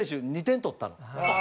２点取ったの。